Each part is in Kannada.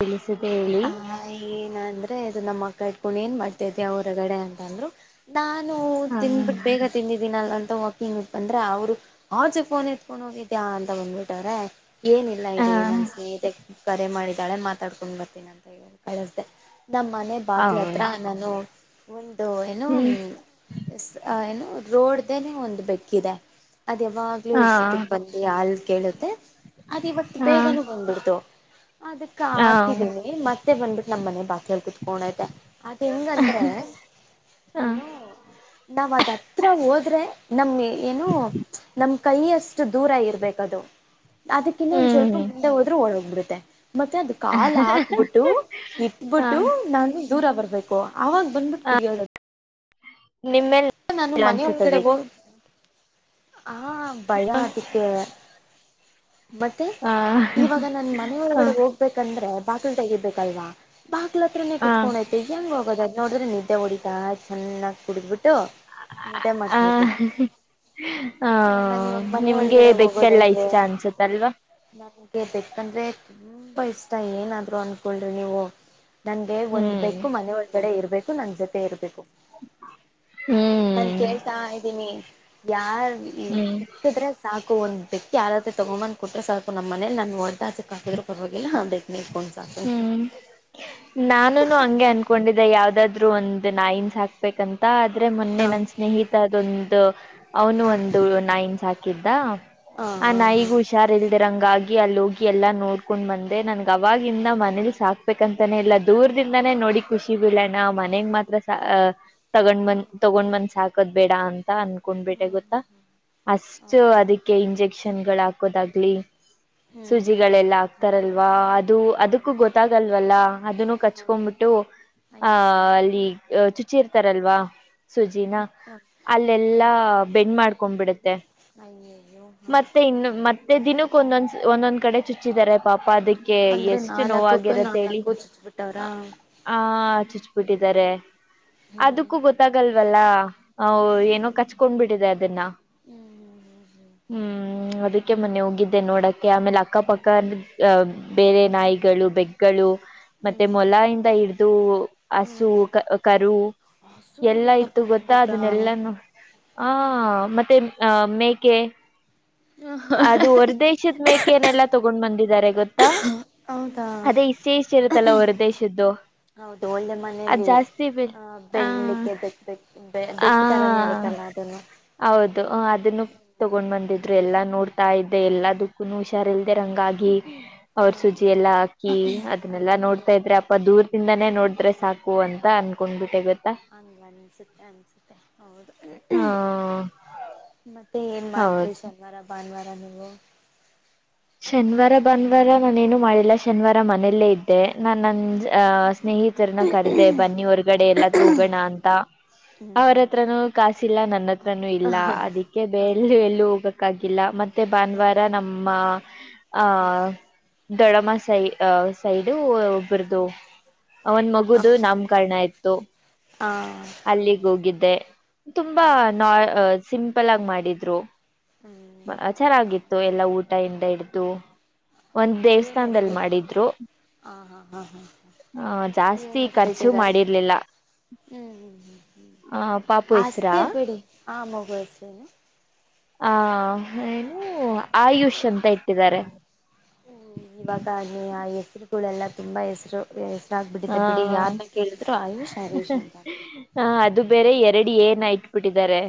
ತಿಳಿಸಿದೆ ಹೇಳಿ ಹ -ಏನ ಅಂದ್ರೆ. ನಮ್ಮ ಅಕ್ಕ ಇಟ್ಕೊಂಡು ಏನ್ ಮಾಡ್ತೈತಿ ಅವರಗಡೆ ಅಂತ ಅಂದ್ರು. ನಾನು ಹ ತಿಂದಬಿಟ್ ಬೇಗ ತಿಂದಿದ್ದೀನಲ್ಲಂತ. ವಾಕಿಂಗ್ -ಇ -ಬಂದ್ರ ಅವ್ರು ಆಚು ಫೋನ್ ಇತ್ಕೊಂಡು ಹೋಗಿದ್ಯಾ ಅಂತ ಬಂದ್ಬಿಟ್ಟವ್ರೆ. ಏನಿಲ್ಲ ಹ ಇರಿ ನನ್ ಸ್ನೇಹಿತ ಕರೆ ಮಾಡಿದಾಳೆ ಮಾತಾಡ್ಕೊಂಡು ಬರ್ತೀನಿ ಅಂತ ಹೇಳಿ ಕಳಸ್ದೆ. ನಮ್ಮ ಮನೆ ಬಾಗಲ ಹೌದು ಹತ್ರ ನಾನು ಒಂದು ಏನು ಹ್ಮ್ ಏನು. ರೋಡ್ ನೆ ಒಂದು ಬೆಕ್ಕ ಇದೆ ಅದ್ ಯಾವಾಗ್ಲೂ ಹಾ ಇಷ್ಟತ್ ಬಂದು ಅಲ್ ಕೇಳುತ್ತೆ. ಅದ ಇವತ್ತು ಹಾ ಬೇಗನೂ ಬಂದ್ಬಿಡ್ತು ಅದಕ್ಕ ಹ ಹಾಕಿದೀನಿ ಮತ್ತೆ. ಮ- ಬಂದಬಿಟ್ಟ ನಮ್ಮ ಮನೆ ಬಾ ಹೇಳ್ ಕುತ್ಕೋ ಆಯತೆ. ಅದ ಹೆಂಗಂದ್ರೆ ಹ ಏನೋ ನಾವ ಅದ್ ಹತ್ರ ಹೋದ್ರೆ. ನಮ್ ಏನು ನಮ್ಮ್ ಕೈ ಅಷ್ಟು ದೂರ ಇರ್ಬೇಕದು. ಅದಕ್ಕಿಂತ ಒಂದ್ ಸ್ವಲ್ಪ ಹ್ಮ್ ಮುಂದೆ ಹೋದ್ರೂ ಓಳೋಗ್ಬಿಡುತ್ತೆ. ಅದು ಕಾಲು ಹಾಕ್ಬಿಟ್ಟು ಹ ಇಟ್ಬಿಟ್ಟು ಹ ನಾನು- ದೂರ ಬರ್ಬೇಕು ಆವಾಗ ಬಂದ್ಬಿಟ್ಟು ಕುಡಿಯೋದು. ನಿಮ್ಮೆಲ್ಲ ನಾನು ಮನೆ ಲಾಣಿಸುತ್ತದೆ. ಹಾ- ಭಯ ಅದಕ್ಕೆ. ಮತ್ತೆ ಹ ಇವಾಗ ನನ್ ಮನೆಯ ಹ ಒಳಗಡೆ ಹೋಗ್ಬೇಕಂದ್ರೆ. ಬಾಕ್ಲ ತೆಗಿಬೇಕಲ್ವಾ ಬಾಗಕ್ಲ ಹತ್ರನೇ ಹ ಹ ಕುತ್ಕೊಂಡ್ಐತಿ ಹೆಂಗ ಹೋಗೋದ. ನೋಡಿದ್ರೆ ನಿದ್ದೆ ಹೊಡಿತಾ ಚೆನ್ನಾಗ ಕುಡಿದ್ಬಿಟ್ಟು ನಿದ್ದೆ ಮಾಡ್ತಾಯತೆ. ಹ ಹ- ನಾನ ಇವಾಗ ಮನೆ ನಿಮ್ಗೆ ಒಳಗಡೆ ಹೋಗೋದ ಬೆಕ್ಕೆಲ್ಲ ಹೆಂಗೆ. ಇಷ್ಟ ಅನ್ಸುತ್ತಲ್ವಾ ಬೇಕಂದ್ರೆ ತುಂಬಾ ಇಷ್ಟ ಏನಾದ್ರು ಅನ್ಕೊಳ್ರಿ ನೀವು. ನನ್ಗೆ ಒಂದ್ ಹ್ಮ್ ಬೇಕು ಮನೆ ಒಂದಗಡೆ ಇರ್ಬೇಕು ನನ್ ಜೊತೆ ಇರ್ಬೇಕು. ನನ್ ಹ್ಮ್ ಕೇಳ್ತಾ ಇದ್ದೀನಿ ಯಾರ್ ಹ್ಮ್ ಸಿಕ್ತಿದ್ರೆ ಸಾಕ. ಅಕ ಒಂದುಯಕ್ ಯಾರದ್ರ ತಗೊಬಂದು ಕೊಟ್ಟ್ರ ಸಾಲ್ಪ ನಮ್ಮನೇ ನಾನ ಒಡೆದು ಹಾಸಕ್ಕಾಕಿದ್ರು ಕೊರವಾಗಿಲ್ಲು. ಹ್ಮ್- ನಾನು ಹಂಗೆ ಅನ್ಕೊಂಡಿದ್ದೆ ಯಾವ್ದಾದ. ಆದ್ರು ಒಂದ್ ನಾಯಿನ್ಸ್ ಸಾಕ್ಬೇಕಂತ ಆದ್ರೆ ಮೊನ್ನೆ ಹ ನನ್ ಸ್ನೇಹಿತ ಅದೊಂದು. ಅವನು ಹ ಒಂದು ನಾಯನ್ ಸಾಕಿದ್ದ ಹ ಆ ಹ ನಾಯಿಗು ಹುಷಾರ್ಲ್. ಇದರಂಗಾಗಿ ಅಲ್ಲಿಗಿ ಎಲ್ಲಾ ನೋಡ್ಕೊಂಡ್ ಬಂದೆ ನನ್ಗೆ ಅವವಾಗಿಂದ ಮನೆಲಿ ಸಾಕ್ತ. ಬಂತಾನೇ ಇಲ್ಲ ದೂರದಿಂದಾನೇ ನೋಡಿ ಖುಷಿ ಬಿಲ್ಲಣ ಮನೆಗ್ ಮಾತ್ರ. ತಗೊಂಡ್ ಹ ಬಂದ ಹ ತೊಗೊಂಡ್ ಮನ್ಸ ಸಾಕದ್ ಬೇಡ ಅಂತ. ಅನ್ಕೊಂಡಬಿಟೆ ಗೊತ್ತಾ ಅಷ್ಟು ಹೌದಾ ಅದಕ್ಕೆ ಇಂಜೆಕ್ಷನ್ ಗಳು ಹಾಕೋದಾಗ್ಲಿ. ಹ್ಮ್ ಹ್ಮ್ ಸುಜಿಗಳೆಲ್ಲ ಹ್ಮ್ ಹಾಕ್ತಾರಲ್ವಾ. ಅದು ಹೌದು ಅದಕ್ಕೂ ಗೊತ್ತಾಗಲ್ವಲ್ಲ ಅದನ್ನು ಹೌದು ಕಚ್ಕೊಂಡ್ಬಿಟ್ಟು. ಹ ಅಯ್ಯಯ್ಯೋ ಹ -ಅಲ್ಲಿ ಚುಚ್ಚಿ ಇರ್ತ. ಲ್ವಾ ಸುಜಿನ ಹ ಅಲ್ಲೆಲ್ಲಾ ಬೆಂಡ್ ಮಾಡ್ಕೊಂಡ್ಬಿಡುತ್ತೆ. ಅಯ್ಯಯ್ಯೋ ಹಾ ಮತ್ತೆ ಇನ್ನು ಮತ್ತೆ ದಿನ. ಒಂದೊಂದ್ ಒಂದೊಂದ್ ಕಡೆ ಚುಚ್ಚಿದ್ದಾರೆ ಪಾಪ ಅದಕ್ಕೆ ಅಂದ್ರೆ ಎಷ್ಟು ನಾಲ್ಕಕ್ಕೂ ನೋಗರಂತೇಳಿ- ನಾಲ್ಕು ಚುಚ್ಬಿಟ್ಟವ್ರಾ ಆ- ಚುಚ್ಚು ಟ್ಟ ಹ್ಮ್ ಅದಕ್ಕೂ ಗೊತ್ತಾಗಲ್ವಲ್ಲ ಹ- ಹೌದು ಏನೋ ಹ್ಮ್ ಕಚ್ಕೊಂಡ್ಬಿಟ್ಟಿದೆ ಅದನ್ನ- ಹ್ಮ್ ಹ್ಮ್ ಹ್ಮ್ ಅದಕ್ಕೆ ಮೊನ್ನೆ ಹೋಗಿದ್ದೆ ನೋಡಕ್ಕೆ ಆಮೇಲೆ ಅಕ್ಕಪಕ್ಕ ಬೇರೆ ನಾಯಿಗಳು ಬೆಕ್ಕುಗಳು ಮತ್ತೆ ಹ್ಮ್ ಹ್ಮ್ ಮೊಲ ಇಂದ ಹಿಡ್ದು ಹಸು ಹ್ಮ್ ಕರು ಎಲ್ಲ ಹಸುನೆಲ್ಲ ಇತ್ತು ಕರ್ಕೊಂಡ್ ಗೊತ್ತಾ ಬಂದಿದ್ರಾ ಅದನ್ನಲ್ಲಾನ ಆ ಹ್ಮ ಮತ್ತೆ ಆ- ಮೇಕೆ ಅದು ಹೊರ ದೇಶದ ಮೇಕೇನೆಲ್ಲಾ ತಗೊಂಡ್ ಬಂದಿದ್ದಾರೆ ಗೊತ್ತಾ. ಹೌದಾ ಅದೇ ಇಷ್ಟೇ ಇಷ್ಟ ಇರುತ್ತಲ್ಲ ಹೊರ ದೇಶದ್ದು. ಹೌದು ಒಳ್ಳೆ ಮನೆಯಲ್ಲಿ. ಆ ಬೆಳ್ಳಿಕ್ಕೆ ಬೆಕ್ ಬೆಕ್ ತರಾನೇ ಆ ಇರುತ್ತಲ್ಲ ಅದನ್ನು ಹೌದು ಅದನ್ನು ತಗೊಂಡ್ ಬಂದಿದ್ರು ಎಲ್ಲಾ ನೋಡ್ತಾ ಇದ್ದೆ ಎಲ್ಲದಕ್ಕೂನು ಹುಷಾರಲ್ ರಂಗಾಗಿ ಅವ್ರ ಹಾ ಸುಜಿ ಎಲ್ಲಾ ಹಾಕಿ ಅದನ್ನೆಲ್ಲಾ ಅಯ್ಯಯ್ಯೋ ನೋಡ್ತಾ ಇದ್ರೆ ಅಪ್ಪ ದೂರದಿಂದಾನೇ ನೋಡ ಸಾಕು ಅಂತ ಅನ್ಕೊಂಡ್ಬಿಟ್ಟ ಗತ್ತ ಹಂಗ ಅನ್ಸುತ್ತೆ ಅನ್ಸುತ್ತೆ ಹೌದು ಹ ಹ ಮತ್ತೆ ಏನ್ ಮಾಡತ್ರಿ ಶನಿವಾರ ಭಾನುವಾರ ನೀವು ಶನಿವಾರ ಭಾನುವಾರ ನಾನೇನು ಮಾಡಿಲ್ಲ ಶನಿವಾರ ಮನೆಯಲ್ಲೇ ಇದ್ದೆ ನಾ ನನ್ ಅಹ ಸ್ನೇಹಿತರನ ಕರ್ದೆ ಬನ್ನಿ ಹೊರ್ಗಡೆ ಎಲ್ಲಾದ್ೂ ಹೋಗೋಣ ಅಂತ ಹ್ಮ್ ಅವ್ರ ಹ್ಮ್ ಹತ್ರನು ಕಾಶ ಇಲ್ಲ ನನ್ನತ್ರನುೂ ಇಲ್ಲ ಹ ಅದಕ್ಕೆ ಬೆ ಹಾ ಎಲ್ಲೂ ಹೋಗಕ್ಕಾಗಿಲ್ಲ ಮತ್ತ ಮತ್ತೆ ಹಾ ಭಾನುವಾರ ನಮ್ಮ ಹಾ ಆಹ ದೊಡಮ ಸೈ ಸೈಡು ಬರ್ದು ಹ್ಮ ಅವನ್ ಹಾ ಹಾ ಮಗದು ನಾಮಕಣ ಆಯತ್ತುು ಹೌದು ಅಲ್ಲಿಗೆ ಹೋಗಿದ್ದೆ ತುಂಬಾ ಹಾ ನಾ ಸಿಂಪಲ್ ಆಗಿ ಮಾಡಿದ್ರು ಹ್ಮ್ ಚರಾಗಿತ್ತು ಹೌದು ಎಲ್ಲಾ ಊಟ ಇಿಂದ ಹಿಡ್ದು ಒಂದ ಏನ್ ದೇವಸ್ಥಾನದಲ್ಲಿ ಹೆಸರು ಮಾಡಿದ್ರು ಹಾ ಹಾ ಹಾ ಹಾ ಆ ಹ ಜಾಸ್ತಿ ಏನ್ ಖರ್ಚು ಹೆಸರುಟ್ಟಾರೆ ಮಾಡಿರ್ಲಿಲ್ಲ ಹ್ಮ್ ಹ್ಮ್ ಹ್ಮ್ ಹ್ಮ್ ಆ ಪಾಪು ಹೆಸ್ರ ಅಷ್ಟತೇ ಬಿೇಡಿ ಹಾ ಮಗಸನು ಆ ಏನು ಆಯುಷ್ ಅಂತ ಇಟ್ಟಿದ್ದಾರೆ ಇವಾಗ ಆ ಹೆಸರುಗಳೆಲ್ಲ ತುಂಬಾ ಹೆಸರು ಹಾ ಹೆಸರಾಗ್ಬಿಟ್ಟಿದೆ ಬಿಡಿ ಯಾರನ್ನ ಕೇಳಿದ್ರು ಆಯುಷ್ ಆಯುಷ್ ಅಂತ ಅಂತಾರೆ ಹ ಅದು ಬೇರೆ ಎರಡು ಏನ್ ಆಟ್ ಬಿಿಟ್ಟಿದ್ದಾರೆ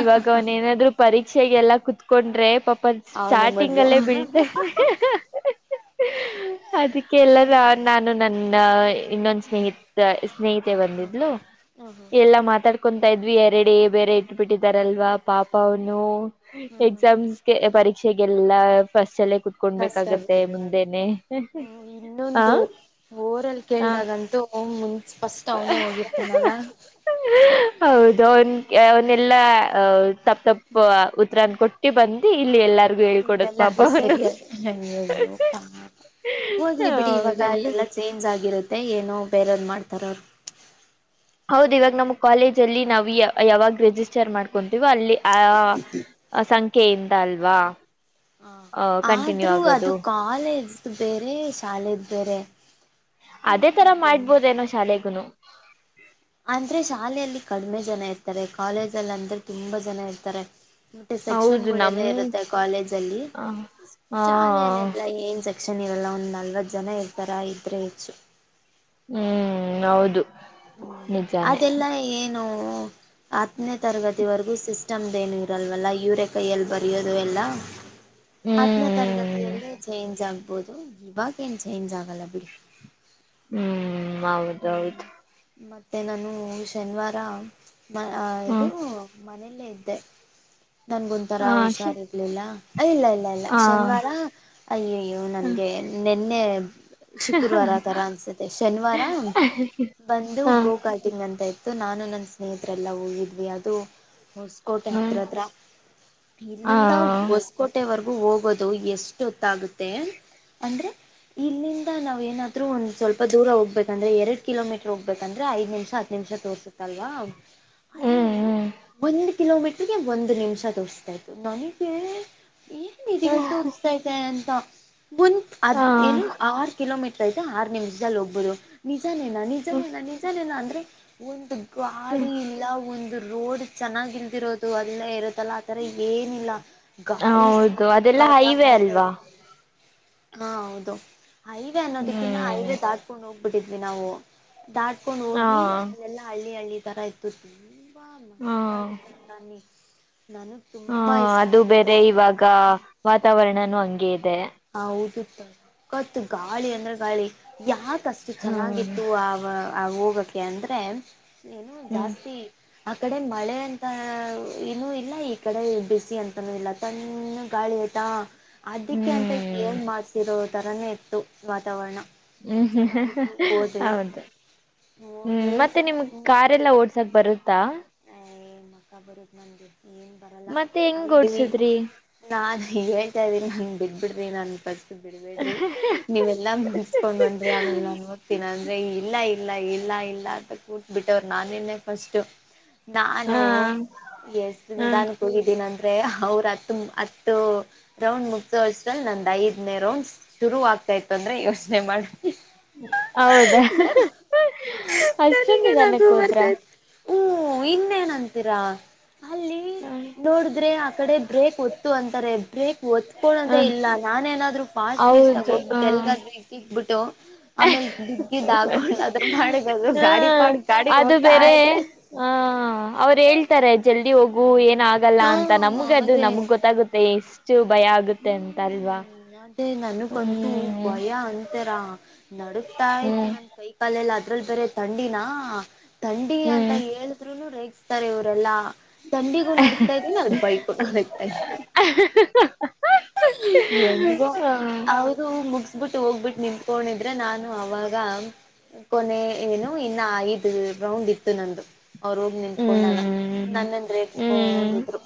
ಇವಾಗ ಅವನ್ ಏನಾದ್ರು ಪರೀಕ್ಷೆಗೆಲ್ಲ ಕುೂತ್ಕೊಂಡ್ರೆ ಪಾಪ ಅವನೇ ಸ್ಟಾರ್ಟಿಂಗ್ ಮೊದ್ಲು ಅಲ್ಲೇ ಅಲ್ವಾ ಬೀಳ್ತ ಅದಕ್ಕೆಲ್ಲ ಹ್ಮ್ ನಾನು ನನ್ನ ಇನ್ನೊಂದು ಸ್ನೇಹಿತ ಸ್ನೇಹಿತೆ ಬಂದಿದ್ಲು ಹ್ಮ್ ಎಲ್ಲಾ ಮಾತಾಡ್ ಕೊತಾ ಇದ್ವಿ ಎರಡ ಬೇರೆ ಇಟ್ಬಿಟ್ಟಿದಾರಲ್ವಾ ಪಾಪ ಅವನು ಹ್ಮ್ ಹ್ಮ್ ಎಕ್ಸಾಮ್ಸ್ಗೆ ಪರೀಕ್ಷೆಗೆಲ್ಲ ಫಸ್ಟ್ಲೆ ಕಷ್ಟ ಕುತ್ಕೊೊಂಡಬೇಕಾಗತ್ತೆ ಮುಂದೆನೆ ಬೀಳ್ಬೇಕಾಗುತ್ತೆ ಹ ೋರಲ್ಲಿ ಕೇಳ್ದಾಗಂತು ಒ್ ಮುಂ ಸ್ಪಷ್ಟ ಅವನೇ ಹೋಗಿರ್ತಾನಲ್ಲ ಎಲ್ಲ ತಪ್ಪ ತಪ್ಪ ಉತ್ತರ ಕೊಟ್ಟಿ ಬಂದು ಇಲ್ಲಿ ಎಲ್ಲ ಇಲ್ಲಲ್ಲ ಅದು ಸರಿಯಾಗಿಯ್ಯಯ್ಯೋ ಹೋಗಲಿ ಬಿಡಿ ಇವಾಗ ಹೌದಲ್ಲ ಎಲ್ಲಾ ಚೇಂಜ್ ಆಗಿರುತ್ತೆ ಏನುೋ ಬೇರಂದ್ ಮಾಡ್ತಾರ ಅವರು ಹೌದು ಇವಾಗ ನಮ್ಮ್ ಕಾಲೇಜ ಅಲ್ಲಿ ನಾವು ಯಾವಾಗ ರೆಜಿಸ್ಟರ್ ಮಾಡ್ಕೊಂತೀವೋ ಅಲ್ಲಿ ಆ ಸಂಖ್ಯೆಯಿಂದ ಅಲ್ವಾ ಹ ಕಂಟಿನ್ಯೂ ಆದ್ರೂ ಅದು ಆಗೋದು ಕಾಲೇಜ್ದ ಬೇರೆ ಶಾಲೆದ ಬೇರೆ ಅದೇ ತರ ನೋಡ್ಬೋದು ಮಾಡ್ಬೋದೇನೋ ಶಾಲೆಗನು ಅಂದ್ರೆ ಶಾಲೆಯಲ್ಲಿ ಕಡಿಮೆ ಜನ ಇರ್ತಾರೆ ಕಾಲೇಜ ಅಲ್ಲಿ ಅಂದ್ರೆ ತುಂಬಾ ಜನ ಇರ್ತಾರೆ ಮತ್ತೆ ಸೆಕ್ಷನ್ ಹೌದು ನಮ್ ಗಳೆಲ್ಲ ಇರುತ್ತೆ ಕಾಲೇಜ್ ಅಲ್ಲಿ ಹ ಹಾ ಶಾಲೆಯಲ್ಲೆಲ್ಲಾ ಏನ್ ಸ ತಕ್ಷನ್ ಇವೆಲ್ಲ ಒಂದು ನಲ್ವತ್ತು ಜನ ಇರ್ತಾರ ಇದ್ರರೆ ಹೆಚ್ಚು ಹ್ಮ್ ಹೌದು ಹ್ಮ್ ನಿಜಾನೇ ಅದೆಲ್ಲ ಏನು ಹತ್ತನೇ ತರಗತಿವರೆಗೂ ಸಿಸ್ಟಮ್ದೇನು ಇರಲ್ವಲ್ಲ ಯೂರೆ ಕೈಯಲ್ಲಿ ಬರೆಯೋದು ಎಲ್ಲ ಆತ್ನೇ ಹ್ಮ್ ತರಗತಿಯಲ್ಲೇ ಚೇಂಜ್ ಆಗ್ಬೋದು ದು ಇವಾಗೇನುಸ ನ್ ಜಾಗಲ್ಲ ಬಿಳ್ ಹ್ಮ್ ಹೌದೌದು ಮತ್ತು ನಾನು ಶನಿವಾರ ಮ ಹ್ಮ ಇದು ಮನೆಯಲ್ಲೇ ಇದ್ದೆ ನನ್ಗುಂಂತರ ಹ ಶ ಹುಷಾರ್ರ್ಲಿಲ್ಲ ಇಲ್ಲ ಇಲ್ಲ ಇಲ್ಲ ಹ ಶನಿವಾರ ಅಯ್ಯಯ್ಯೋ ಹ ಹ್ಮ್ ನನ್ಗೆ ಮೊನ್ನೆ ಶುಕ್ರವಾರ ತರ ಅನ್ಸುತ್ತೆ ಶನಿವಾರ ಬಂದು ಹ ಗೋಕತ ಅಂತ ಇತ್ತು ನಾನು ನನ್ನ ಸ್ನೇಹಿತರೆಲ್ಲ ಹೋಗಿದ್ವಿ ಅದು ಹೊಸಕೋಟೆ ಹ್ಮ್ ಹತ್ರತ್ರ ಹ್ಮ್ ಹ ಇಲ್ಲಿಂದ ಹೊಸಕೋಟೆವರ್ಗ ಹೋಗೋದು ಎಷ್ಟು ಹೊತ್ತಾಗುತ್ತೆ ಅಂದ್ರೆ ಇಲ್ಲಿಂದ ನಾವ್ ಏನಾದ್ೂ ಒಂದ್ ಸ್ವಲ್ಪ ದೂರ ಹೋಗ್ಬೇಕು ಅಂದ್ರ ಎರಡ್ ಕಿೋಮೀಟರ್ ಹೋಗಬೇಕಂದ್ರೆ ಐದು ನಿಮಿ ಹ ನಿಮಿಷ ತೋರ್ಬೇಕೆ ಲ್ವಾ ಅಲ್ಲಿ ಒಂದ ಕಿಲೋಮೀಟ್ರಗೆ ಒಂದು ನಿಮಿಷ ತೋರಿಸ್ತಾ ಇತ್ತು ನನಗೆ ಏನ್ ಇದನ್ ಸೂರಿಸ್ತಾೈತೆ ಅಂತ ಮುಂದತ್ ಅದ್ ಏನು ಆರ್ ಕಿಲೋಮೀಟರ್ ಐತ ಆರು ನಿಮಿಷದಲ್ಲಿ ಹೋಗ್ಬೋದು ನಿಜನೇನ ಹ್ಮ್ ನಿಜನೇನ ನಿಜನೇನ ಅಂದ್ರೆ ಒಂದು ಹ್ಮ್ ಗಾಡಿ ಇಲ್ಲ ಒಂದು ರೋಡ್ ಚೆನ್ನಾಗಿ್ ಇಲ್ದಿರೋದು ಅದೆಲ್ಲ ಇರ ತ್ತಲ್ಲ ಆತರ ಏನಿಲ್ಲ ಗಾಳಿ ಹೌದು ಅದೆಲ್ಲಾ ಸಕ್ಕಾತ ಹೈವೇ ಅಲ್ವಾ ಮಾಡ್ತಾದೆ ಹಾ ಹೌದು ಹಐವೆ ಅನ್ನೋದಕ್ಕಿನ್ನ ಹ್ಮ್ ಹಐವೆ ದಾಟ್ಕೊಂಡ್ ಹೋಗ್ಬಿಟ್ಟಿದ್ವಿ ನಾವು ದಾಟ್ಕೊಂಡು ಹಾ ಹೋಗಿ ಅವನ್ನೆಲ್ಲಾ ಹಳ್ಳಿ ಹಳ್ಳಿ ತರ ಇತ್ತತೀಿ ಹಾಮ ಹಾ ತದುತ ತನ್ನಿ ಹ ಅದು ಬೇರೆ ಇವಾಗ ವಾತಾವರಣನುೂ ಹಂಗಗೆ ಇದೆ ಹ ಹೌದುತ್ತು ಗಾಳಿ ಅಂದ್ರೆ ಗಾಳಿ ಯಾ ಅಷ್ಟು ಹಾ ಚೆನ್ನಾಗಿತ್ತು ಆ ಹೋಗೋಕ್ಕೆ ಅಂದರೆ ಏನು ಹ್ಮ್ ಜಾಸ್ತಿ ಹ ಈ ಕಡೆ ಮಳೆ ಅಂತ ಇನುೂ ಇಲ್ಲ ಈ ಕಡೆ ಬಿಸಿ ಅಂತಾನೂ ಇಲ್ಲ ತನ್ನ ಗಾಳಿತ ಹ ಅದಕ್ಕೆ ಅಂತ ಹ್ಮ್ ಏನು ಮಾಡ್ಿಸಿರೋ ಥರನೇ ಇತ್ತು ವಾತಾವರಣ ಹ್ಮ್ ಹ್ಮ್ ಚೆನ್ನಾಗಿತ್ತು ಹೋದ್ವಿ ಹೌದು ಹ್ಮ್ ಹೋಗಿ ಮತ್ತೆ ನಿಮ್ ಕಲ್ಲಾ ಓಡ್ ಕ್ ಬರುತ್ತಾ ಅ ಅಕ್ಕ ಬರದ ಮಂದಿ ಏನ್ ಬರಲ್ಲ ಮತ್ತೆ ಹೆಂಗ್ ಅಲ್ಲಿ ಓಡ್ಸುದ್ರಿ ನಾ ಹಗ ಹೇಳ್ತ ಇದೀ ನನ್ ಬಿಟ್ಬ ಬಿಡ್ರಿ ನ ಸ್ ಬಿಡ್ಬೇಡ್ರಿ ನೀವೆಲ್ಲಾ ಮುಗಿಸಕೊಂಡ್ ಬಂದ್ರಿ ಆಮೇಲೆ ನಾನ್ ನಓದತೀನ ಇಲ್ಲ ಇಲ್ಲ ಇಲ್ಲ ಇಲ್ಲ ಅಂತ ಕೂತ್ ಬಿಿಟ್ಟವರು ನಾನೇೇ ಫಸ್ಟು ನಾನು ಹಾ ಎಸ್ ಹ ನಿಧಾನಕ್ಕೆ ಕೋಗಿದ್ದೀನಿಂತ ಅವ್ರ ಹ ಹತ್ತು ರೌಂಡ್ ಮುಗಸ್ರಲ್ಲಿ ನ ಐದನೇ ರೌಂಡ್ ಶುರು ಆತ ಆತಾಯ್ತ ಅಂದ್ರೆ ಯೋಚನೆ ಮಾಡಿ ಹೌದಾ ಅಷ್ಟೊಂದು ನನಗೆ ನಗು ನಿಧಾನಕ್ಕೆ ಹೋದ್ರ ಬರ್ತೈತ್ ಹ್ಮ ಇನ್ನೇನಂತೀರಾ ಅಲ್ಲಿ ನೋಡಿದ್ರೆ ಆ ಕಡೆ ಬ್ರೇಕ್ಓದ ಅಂತಾರೆ ಬ್ರೇಕ್ ಒತ್ಕಳೋದೇ ಹ ಇಲ್ಲ ನಾನ ಏನಾದ್ರು ಫಾಸ್ಟ್ ೀ್ ತಾಗ ಹೌದು ಹ ಹೋಗ್ಬಿಟ್ಟು ಎಲ್ಗಾದ್ರೂ ಇಕ್ಬಿಟ್ಟು ಆಮೇಲ್ ಿಗ್ಗಿದ್ದ ಹಾಕೊಂಡದ್ರ ಮಾಡದು ಗಾಡಿ ಪಾ ಹ್ಮ್ ಗಾಡಿ ಅದು ಹೋಗ್ತಾ ಬೇರೆ ಆ್ರೆ ಹ ಅವ್ರು ಹೇಳ್ತಾರೆ ಜಲ್ದಿ ಹೋಗು ಏ ಆಗಲ್ಲ ಹಾ ಅಂತ ನಮಗೆ ಅದು ಅದೇ ನಮ್ಗ್ ಗೊತ್ತಾಗುತ್ತೆ ಎಷ್ಟು ಭಯ ಆಗುತ್ತೆ ಅಂತ ಅಲ್ವಾ ಮ ನನಗಂತೂ ಹ್ಮ್ ಭಯ ಅಂತರಾ ನಡಗ್ತಾ ಇ್ತು ಹ್ಮ್ ನನ್ ಕೈ ಕಾಲೆಲ್ಲ ಅ ಕುರಲ್ಪರ ತಂಡಿನಾ ತಂಡಿ ಅಂತ ಹ್ಮ್ ಹೇಳಿದ್ರುನು ರೇಗಸ್ತಾರೆ ಇವರೆಲ್ಲಾ ತಂಡಿಗೂ ನಡ್ತಾ ಇದೀನಿ ಅ ಬೈಕು ನಡುಗ್ತಾ ಇದೀನಿ ಹೆಂಗೋ ಹ ಅವರು ಮುಗಸ್ಬಿಟ್ಟು ಹೋಗ್ಬಿಟ್ಟು ನಿಮಕೋೊಂಡ ಆದ್ರೆ ನಾನು ಅವಾಗ ಕೊನೆ ಏನು ಇನ್ನ ಐದು ರೌಂಡ್ ಇತ್ತು ನಂದುು ಅವ್ರೋಗಿ ನಿಂತ್ಕೊಂಡಾಗ ಹ್ಮ್ ನನ್ನಂದ ಹ್ಮ್ ರೇಂದಿದ್ರು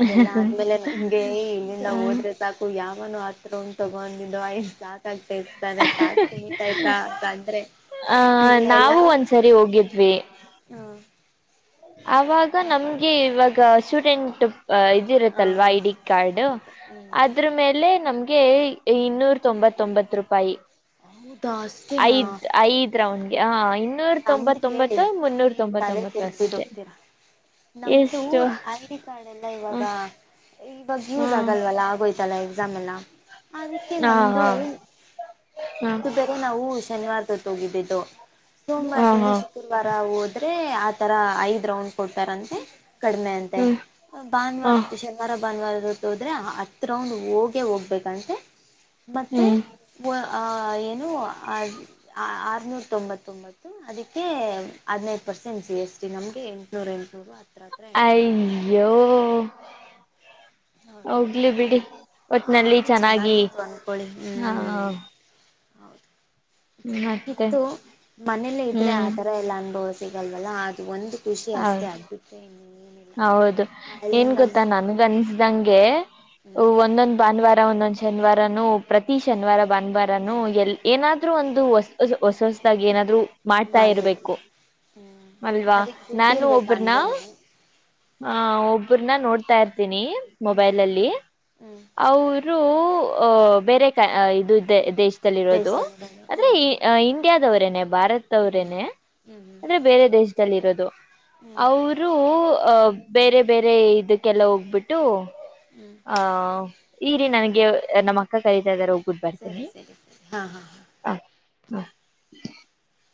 ಅದೆಲ್ಲ ಆದ್ಮೇಲೆ ನಮಗೆ ಹ್ಮ್. ಓಡ್ರೆ ಸಾಕು ಯಾವನು ಹತ್ರ ಉ ತಗೊಂಡಿದ್ದ ರ್ತದೆ ಕ ಕುುಮಿತ ಆಯ್ತಾ ಅಂತ ಅಂದ್ರೆ ಆಹ ನಾವು ಒಂದ್ಸರಿ ಹೋಗಿದ್ವಿ ಹಾ ಆಾಗ ನಮ್ಗೆ ಇವಾಗ ಸ್ಟೂಡೆಂಟ್. ಹಾಂ ಇದಿರುತ್ತಲ್ವಾ ಹಾಂ ಐ ಡಿ ಕಾರ್ಡ್ ಹೌದು ಹ್ಞೂ ಅದ್ರ ಮೇಲೆ ನಮ್ಗೆ. ಇನ್ನೂರ ತೊಂಬತ್ತೊಂಬತ್ತು ರೂಪಾಯಿ. ಹೌದಾ ಅಷ್ಟೇನಾ ಐದ್ ಐದ್ ರೌಂಡ್ಗೆ ಹ. ಮುನ್ನೂರ ನಮ್ದು ಕೇಳಿ ತೊಂಬತ್ತೊಂಬತ್ತು ಮುನ್ನೂರ ತೊಂಬತ್ತೊಂಬತ್ತು ಅಷ್ಟೇ. ನಮ್ದು ಐ ಡಿ ಕಾರ್ಡ್ ಎಲ್ಲ ಹ ಇವಾಗ. ಈ ಬ ಗ ಯವು ಹ್ಮ್ ಜಾಗಲ್ವಲ್ಲ ಆಗೋತಲ್ಲ. ಎಸಾಮ್ಲ್ಲ ಅದಕ್ಕೆ ಹಾ ನಮ್ದು ಹಾ ಹಾ ಅದು ಬೇರೆ ನಾವು ಶನಿವಾರ. ತಗಿದ್ದಿದ್ದು ಹಾ ಸೋಮವಾರಿಂದ ಹಾ ಶುಕ್ರವಾರ ಹೋದ್ರೆ ಆ ತರ ಐದ್ ರೌಂಡ್ ಕೊಡ್ತಾರಂತೆ ಕಡಿಮೆ ಅಂತೆ ಹ್ಮ್ ಹ ಭಾನುವಾರದ ಶನಿವಾರ ಭಾನುವಾರದ. ಅೋದ್ರರೆೆ ಹತ್ತು ರೌಂಡ್ ಹೋಗೇ ಹೋಗ್ಬೇಕಂತೆ ಮತ್ತೆ. ಹ್ಮ್ ಏನು ಆರ್ನೂರ ತೊಂಬತ್ತು. ತೊಂಬತ್ತು ಅದಕ್ಕೆ ಹದಿನೈದು ಪರ್ಸೆಂಟ್ ಜಿ ಎಸ್ ಟಿ ನಮಗೆ ಎಂಟುನೂರು ಎಂಟುನೂರು ಹತ್ತು ಅಯಯ್ಯೋ ಹೋಗಲಿ ಬಿಡಿ. ಹ ಒಟ್ನಲ್ಲಿ ಆದ್ರೂ ಚೆನ್ನಾಗಿ ಚೆನ್ನಾಗಿತ್ತು ಅನ್ಕೊಳ್ಳಿ ಹಾ ಹ್ಮ್ ಹೌದು. ಮತ್ತೆ ಚೆನ್ನಾಗಿತ್ತು ಮನೇಲ್ಲೇ ಇದ್ರೆ ಆ ಹ್ಮ್ ತರ ಎಲ್ಲಾ ಅನುಭವ ಸಿಗಲ್ವಲ್ಲಾ ಅದು ಒಂದು. ಖುಷಿ ಹ ಅಷ್ಟೇ ಅದು ಬಿಟ್ರೆ ಇನ್ನೇನಿಲ್ಲ ಹೌದು ಏನ್ ಅಲ್ಲಿಂದ ಗೊತ್ತಾ ನನ್ಗ ಅನ್ಸ್ದಂಗೆ. ಹ್ಮ್ ಒಂದೊಂದ್ ಭಾನುವಾರ ಒಂದೊಂದ್ ಶನಿವಾರನು ಪ್ರತಿ ಶನಿವಾರ. ಬನ್ಬಾರನು ಎಲ್ ಏನಾದ್ೂ ಒಂದು ಹೊ ಹೊಸ ಹೊಸ್ದಾಗಿ ಏನಾದ್ರು. ಮಾಡ್ತಾ ಮಾಡ್ಬೇಕು ಇರ್ಬೇಕು ಹ್ಮ್ ಅಲ್ವಾ. ಅದಕ್ಕೆ ದುಡ್ಡು ನಾನು ಇರ್ಬೇಕು ಒಬ್ರನ ಹಂಗೇನೆ ಆ ಒಬ್ರನ ನೋಡ್ತಾ ಇರ್ತಿ ಹ್ಮ್ ಮೊಬೈಲ್ ಅಲ್ಲಿ ಹ್ಮ್ ಅವರು. ಬೇರೆ ಕ ಇದು ದೇಶ. ರೋದು ದೇಶದಲ್ಲಿ ಆದ್ರೆ ಹ್ಮ್ ಇಂಡಿಯಾದವರೇನೆೇ. ಭಾರತ್ ಹ್ಮ್ ಅವ್ರೇನೆ ಹ್ಮ್ ಹ್ಮ್ ಅಂದ್ರೆ ಬೇರೆ ದೇಶದಲ್ಲಿ ಇರೋದು ಹ್ಮ್ ಹ್ಮ್ ಅವರು. ಅಹ ಬೇರೆ ಬೇರೆ ಇದಕ್ಕೆಲ್ಲ ಹೋಗ್ಬಿಟ್ಟು ಹ್ಮ್ ಆಹ. ಈ ರೀ ನನಗೆ ನಮ್ಮ ಅಕ್ಕ ಕರೀತಾ ಇದ್ದಾರೆ. ಸರಿ ಸರಿ ಸರಿ ಹಾಂ ಹಾಂ [unintelligible]